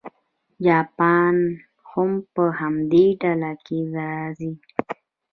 جاپان هم په همدې ډله کې راځي.